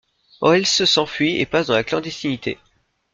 Hoelz s’enfuit et passe dans la clandestinité.